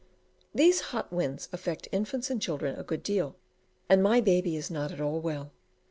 These hot winds affect infants and children a good deal, and my baby is not at all well.